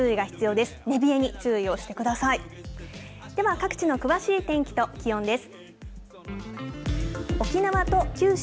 では、各地の詳しい天気と気温です。